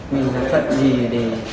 quyền giải phận gì để